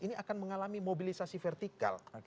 ini akan mengalami mobilisasi vertikal